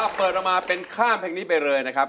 เปิดออกมาเป็นข้ามเพลงนี้ไปเลยนะครับ